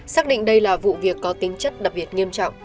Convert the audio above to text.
xác định đây là vụ việc có tính chất đặc biệt nghiêm trọng